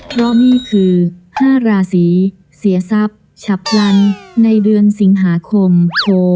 เพราะนี่คือ๕ราศีเสียทรัพย์ฉับพลันในเดือนสิงหาคม